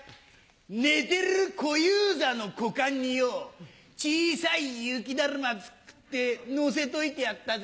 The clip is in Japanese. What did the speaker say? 寝てる小遊三の股間によぉ小さい雪だるま作ってのせといてやったぜ！